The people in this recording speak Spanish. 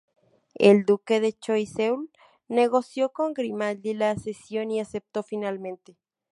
El duque de Choiseul negoció con Grimaldi la cesión y aceptó finalmente.